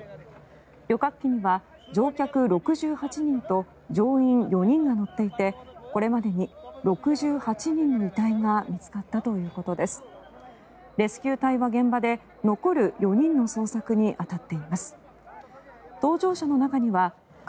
旅客機には乗客６８人と乗員４人が乗っていてこれまでに６８人の遺体が見つかったということです。